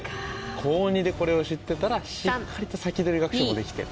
高２でこれを知ってたらしっかりと先取り学習もできてる。